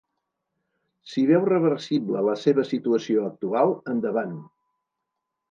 Si veu reversible la seva situació actual, endavant.